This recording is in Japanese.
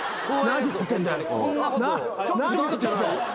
何やってんだよ。